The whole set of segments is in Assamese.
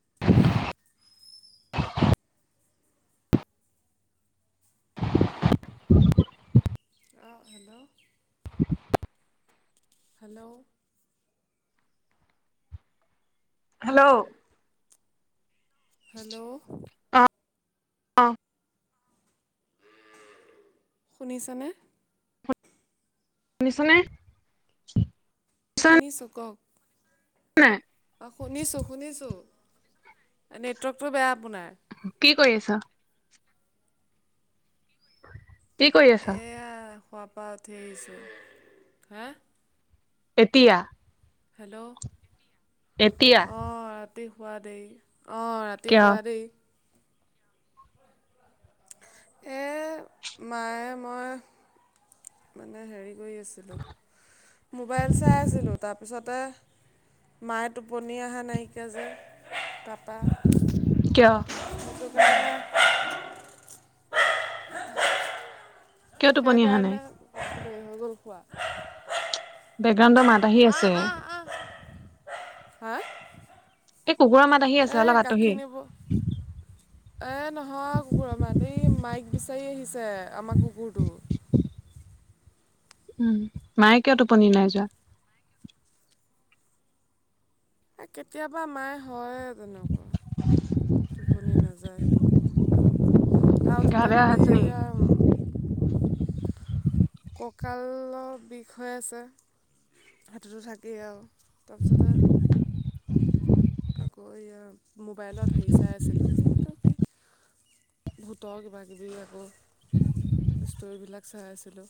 [inaudible] [unintelligible] অঁ' হেল্লৌ' হেল্লৌ' হেল্লৌ' হেল্লৌ' তা অঁ'। শুনিছানে? শুনিছনে? শুনিছনে শুনিছোঁ কওক, নাই অ' শুনিছো শুনিছো। নেটৱৰ্কটো বেয়া আপোনাৰ। কি কৰি আছা? কি কৰি আছা এয়া খোৱাপা উঠি আহিছো, হাঁ। এতিয়া! হেল্ল'! এতিয়া অ, ৰাতি শোৱা দেৰি, অ, ৰাতি কিয় শুৱা দেৰি। এই, মায়ে মই মানে হেৰি কৰি আছিলোঁ, মোবাইল চাই আছিলোঁ, তাৰপিছতে মায়ে টোপনি অহা নাইকিয়া যে, তাপা কিয়? [unintelligible] কিয় টোপনি অহা নাই সেইকাৰণে, দেৰি হৈ গ'ল শুৱা। বেকগ্ৰাউণ্ডৰ মাত আহি আছে আহ, আহ, হা! এই কুকুৰৰ মাত আহি আছে, এই অলপ আতহি এ, নহয় কুকুৰ মাত, এই মাইক বিচাৰি আহিছে, আমাৰ কুকুৰটো। মায়ে কিয় টোপনি নাই যোৱা? এই, কেতিয়াবা মাই হয়য়েই তেনেকুৱা, টোপনি নযানো। [unintelligible] আহি আৰু গা তাতে বেয়া কালি হৈছে নেকি ইয়া কঁকালৰ বিষ হৈ আছে। সেইটোতো থাকেই আৰু, তাৰপিছতে আকৌ, এই মোবাইলত হেৰি চাই আছিলোঁ, এই কি ভোতৰ কিবা-কিবি আকৌ, ষ্টৰিবিলাক চাই আছিলোঁ।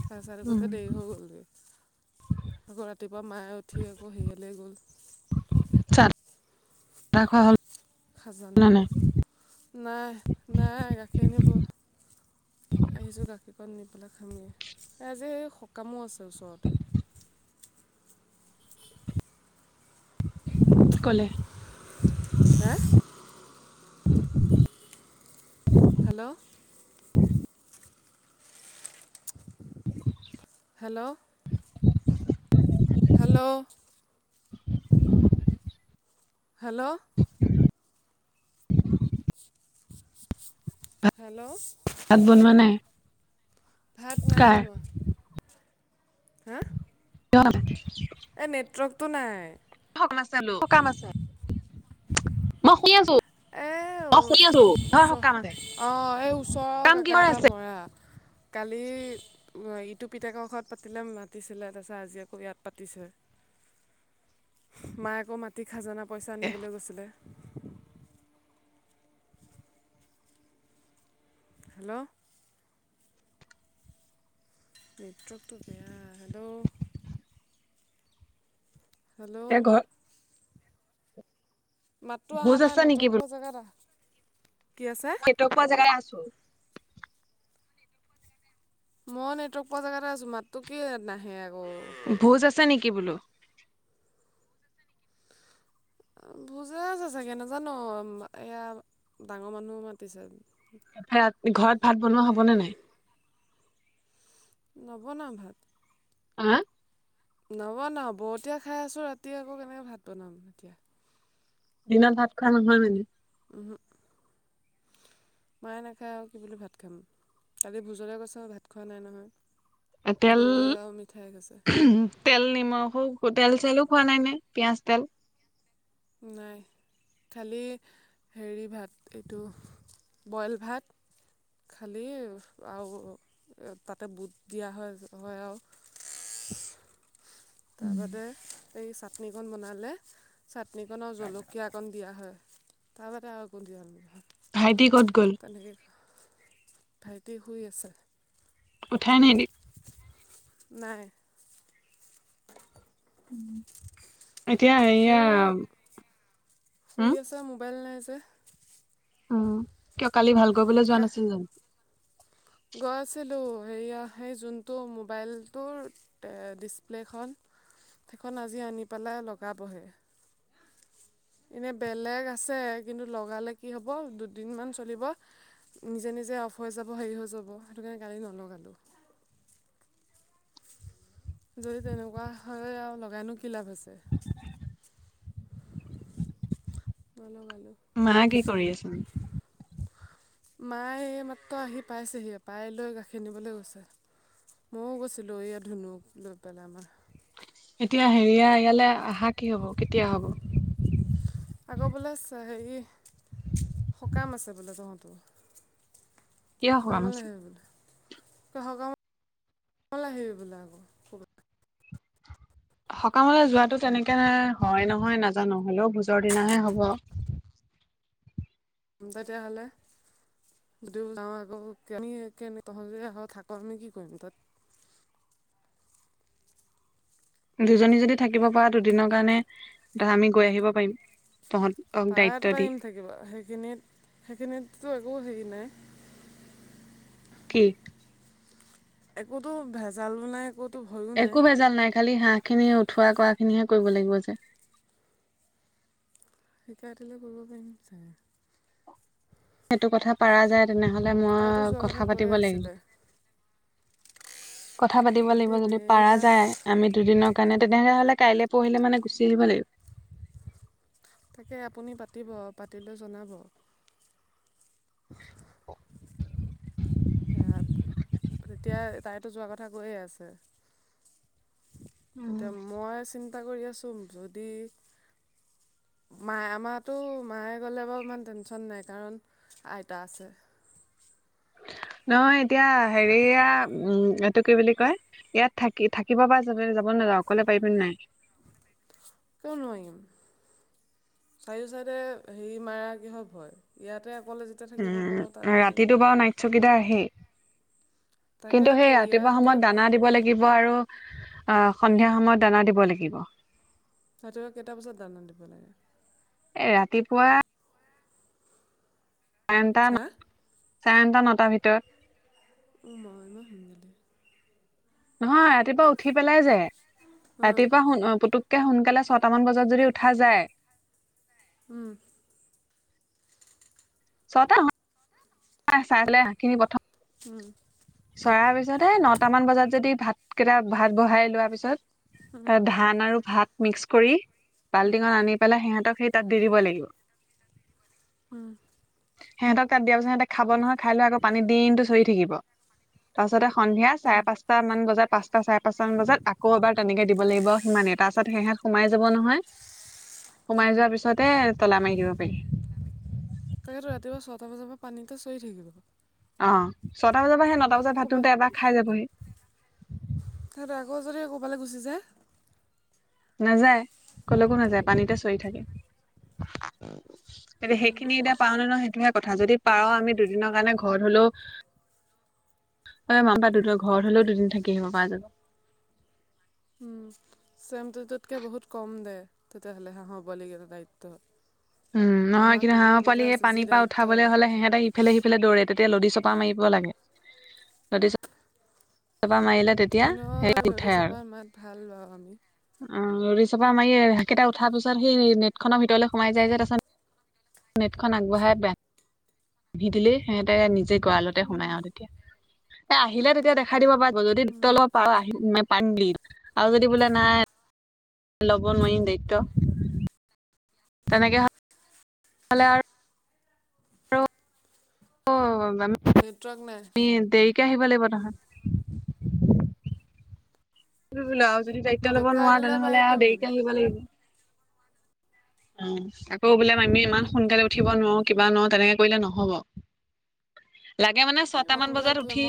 সেয়া চাই উম থাকোতে দেৰি হৈ গ'লগে, আকৌ ৰাতিপুৱা মায়ে উঠি আকৌ হেৰিয়ালৈ গ'ল। [unintelligible] [unintelligible] নে নাই নাই, নাই, গাখীৰ আনিব আহিছোঁ গাখীৰকণ নি পেলাই খামগে, এই আজি সকামো আছে ওচৰতে। ক'লে। হা! Hello! [inaudible] Hello! Hello! [inaudible] Hello! Hello! ভাত বনোৱা নাই? ভাত নাই কাৰ বনোৱা। হা! [unintelligible] এই নেটৱৰ্কটো নাই। [unintelligible] সকাম আছে, মই শুনি আছো। এই মই শুনি আছো। ওচ কিহৰ সকাম আছে অ, এই ওচৰৰ সকাম কাকা কিহৰ এটা আছে মৰা। কালি ইটো পিতেকৰ ঘৰত পাতিলে, মাতিছিলে, তাৰপিছত আজি আকৌ ইয়াত পাতিছে। [inaudible] মায়ে আকৌ মাটিৰ খাজানা পইচা আনিবলৈ গৈছিলে। হেল্ল'! নেটওৰ্কটো বেয়া, হেল্ল'? হেল্ল'? এতিয়া ঘৰ মাতটো ভোজ আহা নাই আছে নেকি নেটৱৰ্ক বোলো পোৱা জেগাত আহ, কি হৈছে? মই নেটৱৰ্ক পোৱা জেগালে আহ চোন। মই নেটৱৰ্ক পোৱা জেগাতে আছো, মাততো কি নাহে আক। ভোজ আছে নেকি বোলো। [inaudible] ভোজে আছে চাগে নাজানো, এয়া ডাঙৰ মানুহ মাতিছে। ভাত, ঘৰত ভাত বনোৱা হবনে নাই? নবনাও ভাত। হা? নবনাও বৰতীয়া খাই আছোঁ ৰাতি আকৌ কেনেকে ভাত বনাম, এতিয়া। দিনত ভাত খোৱা নহয় মানে? উহু, মায়ে নাখায় আৰু কি বুলি ভাত খাম। কালি ভোজলে গৈছ ভাত খোৱা নাই নহয়। তেল। দৈ আৰু মিঠাই খাইছে। তেল, নিমখো, তেল চেলো খোৱা নাই নে পি‍ঁয়াজ, তেল। নাই। কালি হেৰি ভাত এইটো বইল ভাত। খালী আৰু তাতে বুট দিয়া হয় হয় আৰু। [unintelligible] তাৰ বাদে এই চাটনিকণ বনালে, চাটনিকণত জলকীয়া অকণ দিয়া হয়। তাৰবাদে আৰু একো ভাইটি নিদিয়ে। ক'ত গ'ল তেনেকে ভাইটি শুই আছে। উঠাই নিদি। নাই। [inaudible] এতিয়া এয়া সিও শুই উম আছে, মোবাইল নাই যে। উম' কিয় কালি ভাল কৰিবলৈ যোৱা নাছিল জানো। গৈছিলোঁ সেইয়া সেই যোনটো মোবাইলটোৰ। ডিছপ্লেখন সেইখন আজি আনি পেলাই লগাবহে। এনে বেলেগ আছে, কিন্তু লগালে কি হ'ব দুদিনমান চলিব। নিজে নিজে অফ হৈ যাব, হেৰি হৈ যাব সেইটো কাৰণে কালি নলগালোঁ। যদি তেনেকুৱা হয় আৰু লগাইনো কি লাভ আছে। নলগালোঁ। মায়ে কি কৰি আছে। মায়ে এইমাত্ৰ আহি পাইছেহি, পাই লৈ গাখীৰ নিবলৈ গৈছে। ময়ো গৈছিলোঁ এইয়া ধুনুক লৈ পেলাই আমাৰ। এতিয়া হেৰিয়া ইয়ালে আহা কি হ'ব, কেতিয়া হ'ব? আকৌ বোলে হেৰি সকাম আছে বোলে তহঁতৰ? কিয় সকাম সকামলে আছে আহিবি বোলে, তই সকামালে আহিবি বোলে আকৌ। সকামলে যোৱাটো তেনেকে হয় নহয় নাজানো, হ'লেও ভোজৰ দিনাহে হ'ব। তেতিয়াহ'লে। যদিও যাওঁ আকৌ আমি কেনে তহঁতি আহ থাক আমি কি কৰিম তাত। দুজনী যদি থাকিব পাৰ। দুদিনৰ কাৰণে ত আমি গৈ আহিব পাৰিম তহঁত। পাৰাত পাৰিম থাকিব সেইখিনিত সেইখিনিততো একো হেৰি নাই। কি? একোতো ভেজালো নাই একো। একো বেজাল নাই খালি হাঁহ খিনি উঠোৱা কৰা খিনিহে কৰিব লাগিব যে। শিকাই দিলে কৰিব পাৰিম ছাগে। সেইটো কথা পাৰা যায় তেনেহ'লে তাইতো মই যোৱাৰ কথা কৈয়ে পাতিব লাগিব। আছিলে কথা পাতিব লাগিব পাতিবি যদি পাৰা এয়া যায় আমি দুদিনৰ কাৰণে তেনেহলে হ'লে কাইলৈ পঢ়িলে মানে গুচি আহিব লাগিব। তাকে আপুনি পাতিব পাতিলে জনাব। সেয়া তেতিয়া তাইতো যোৱা কথা কৈয়ে আছে। তেতিয়া মই চিন্তা কৰি আছোঁ যদি। মাই আমাৰ টো মাইয়ে গ'লে বাৰু ইমান টেনশন নাই কাৰণ। আইতা আছে। নহয় এতিয়া হেৰিয়া উম এইটো কি বুলি কয়। ইয়াত থাকি থাকিব পৰা যাব যাব নযাওঁ অকলে পাৰিবি নে নাই। কিয় নোৱাৰিম। চাৰিও চাইডে হেৰি মাৰ কি হয় ভয় ইয়াতে অকলে যেতিয়া থাকিব পাৰোঁ তাত আৰু কিনো। চকিদাৰ আহেই কিন্তু তাকেতো সেই ৰাতিপুৱা ইয়াতে সময়ত দানা দিব লাগিবে। থাকিব আৰু অ সন্ধিয়া সময়ত দানা দিব লাগিব। ৰাতিপুৱা কেইটা বজাত দানা দিব লাগে। এ ৰাতিপুৱা। চাৰেটা হা চাৰেটা নটাৰ ভিতৰত। উম মই মই। নহয় ৰাতিপুৱা উঠি পেলাই যায় অঁ ৰাতিপুৱা সো পুুতুক। একে সোনকালে ছয়ট মান বজাত যদি উঠা যায়। উম। ছটা সাত। এ চাইলে শাকখিনি প্ৰথম। উম। চৰাইৰ পিছত হে নটামান বজাত যদি ভাতকেইটা ভাত বহাই লোৱাৰ পিছত। ধান আৰু ভাত মিক্স কৰি বাল্টিখন আনি। পেলাই সিহঁতক সেই তাত দি দিব লাগিব। উম। সিহঁতক তাত দিয় পিছত সহঁতে খাব নহয় খাই লৈ আকৌ পানী দিনটো চৰি থাকিব। তাৰপাছতে সন্ধিয়া চাই পাঁচ। এটা মান বজাত পাঁচটা চাৰে পাঁচটা মান বজাত আকৌ এবাৰ তেনেকে দিব লাগিব সিমানেই তাৰ পাছত হেহত সোমাই যাব নহয়। সোমাই যোৱাৰ পিছতে তলা মাৰি দিব পাৰি। তাকেতো ৰাতিুৱা ছটা বজাৰ পা পানীটে চৰি থাকিব। অঁ ছটা বজাৰ পৰা সেই নটা বজাত ভাত ক'ৰবাত খাওঁতে এবাৰ খাই যাবহি। তিহঁতে আকৌ যদি ক'ৰবালে গুচি যায়। নাযায় কলো কো নাযায় পানীতে চৰি থাকে। এতিয়া সেইখিনি এতিয়া পাওঁ নে নোৱাও সেইটোহে কথা যদি পাৰওঁ আমি দুদিনৰ কাৰণে ঘৰত হ'লেও। এ মামাপা দুদ ঘৰত হ'লেও দুদিন থাকি আহিব পৰা যাব। উম। চেমটোটোতকৈ বহুত কম দে তেতিয়াহ'লে হে হ'ব লগীয়া দায়িত্ব। উম নহয় আমাৰ কিন্তু কুকুৰ হাঁহ দুটা পোৱালি সে আছে যি পানীৰ পৰা দায়িত্ব উঠাবলৈ হ'লে সিহঁতে সিফালে সিফালে দৌৰে তেতিয়া লদী চপৰা মাৰিব লাগে লদি চপৰা মাৰিলে তেতিয়া এনেও স লৰি উঠে আৰু। চাপাৰ মাত ভাল বাৰু আমি অ লদী চপৰা মাৰি এ হেইকেইটা উঠাৰ পিছত সেই নেট খনৰ ভিতৰলৈ সোমাই যায় যে তাৰ পাছত নেটখন আগবঢ়াই ব পুহি দিলেই সিহঁতে নিজে গঁৰা়লতে সোমাই আৰু তেতিয়া এ আহিলে তেতিয়া দেখ দেখাই দিব পাৰ যদি তলত প আহে পানীত আৰু যদি বোলে নাই ল'ব নোৱাৰিম দায়িত্ব তেনেকে হয় ভালে আৰু আৰু অ নেটৱৰ্ক নাই তুমি দেৰিকে আহিব লাগিব তহত বুলি আৰু যদি দায়িত্ব লব দেখুৱাই নোৱাৰা দিলে তেনেহ'লে আৰু পাৰিম দেৰিকে আহিব লাগিব অ আকৌ বোলে আমি ইমান সোনকালে উঠিব নোৱাৰো কিবা নোৱাৰো তেনেকে কৰিলে নহব লাগে মানে মই ছটা মান সোনকালে বজাত উঠো উঠি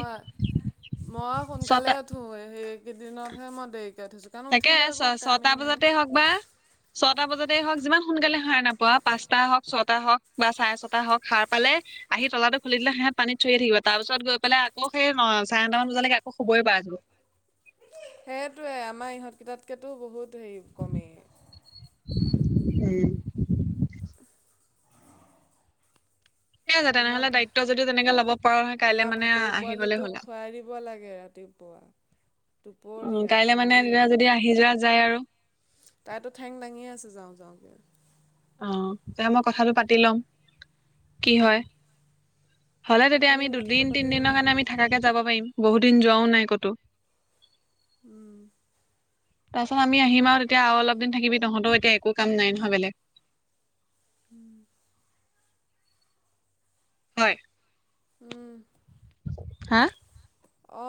মই সোনকালে ছটা সেইকেইদিনতহে মই দেৰিকেই উঠিছো তাকে ছ ছটা বজাতে হওক বা ছটা বজাতে হওক যিমান সোনকালে সাৰ নাপোৱা পাঁচটা হওক ছটা হওক বা চাৰে ছটা হওক সাৰ পালে আহি তলাটো খুলি দিলে সিহত পানী চৰীয়ে থাকিব তাৰ পিছত গৈ পেলাই আকৌ চাৰে ন মান বজাত আকৌ শুবই পাৰে চোন সেইটোৱে আমাৰ ইহঁত কেইটাত কে তো বহুত হেৰি কমেই উম উম ঠিকে আছে আমাৰ তেনেহ'লে ভা দায়িত্ব যদি তেনেকে ল'ব পাৰ নহয় কাইলে আমাৰ মানে ভাটৌ আহি গ'লে হ'ল পোৱালিটোক আৰু। খোৱাই দিব লাগে ৰাতিপুৱা দুপৰীয়া সন্ধিয়া হিজৰা যায় আৰু তাইতো ঠেং দাঙিয়ে আছে যাওঁ যাওঁ কে অ তেতিয়া মই কথাটো পাতি ল'ম কি উম, হয় হ'লে তেতিয়া আপুনি আমি কথাটো দুদিন পাতি তিনদিনৰ জনাব কাৰণে আমি থাকাকে কে যাব পাৰিম বহুত দিন যোৱাও নাই কতো উম তাৰপাছত আমি আহিম আৰু তেতিয়া অলপ দিন থাকিবি তঁহত এতিয়া একো কাম নাই নহয় বেলেগ উম হয় হা অ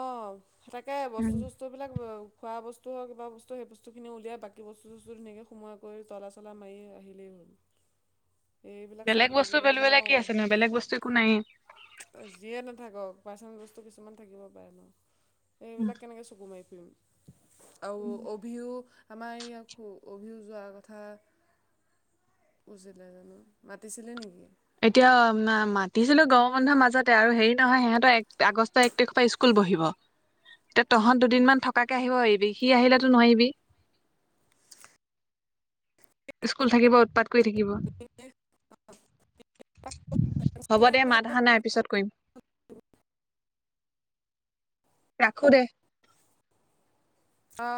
তাকে উম, বস্তু টো বস্তু বিলাক খোৱা বস্তু হওক কিবা বস্তু হেই বস্তুখিনি উলিয়াই বাকী বস্তু সস্তুবিলাক ধুনীয়াকে সোমোৱাই কৰি তলা চলা মাৰি আহিলেই হ'ল এইবিলাক বেলেগ চাই বস্তু ফুৰিবলৈ বুলিবলে কি আছে নো বেলেগ বস্তু একো নাইয়ে। নোৱাৰো যিয়ে নাথাকক পাৰ্চনেল বস্তু কিছুমান থাকিব পাৰে ন উম। সেইবিলাক কেনেকে চকু মাৰি ফুৰিম আৰু অভি ও আমাৰ এই অভি ও যোৱাৰ কথা কৈছিলে জানো মাতিছিলে নেকি এতিয়া মাতিছিলো গাৱৰ মানুহৰ মাজতে আৰু হেৰি নহয় সিহঁতৰ এক আগষ্ট এক তাৰিখৰ পা স্কুল বহিব এতিয়া তহঁত দুদিনমান থকাকে আহিব পাৰিবি, সি আহিলে টো নোৱাৰিবি স্কুল থাকিব উৎপাত কৰি থাকিব, হ'ব দে মাত আহা নাই পিছত কৰিম। ৰাখো দে। অ'।